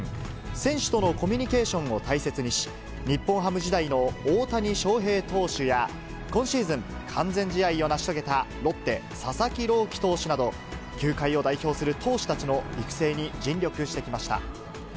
選手とのコミュニケーションを大切にし、日本ハム時代の大谷翔平投手や、今シーズン、完全試合を成し遂げたロッテ、佐々木朗希投手など、球界を代表する投手たちの育成に尽力してきました。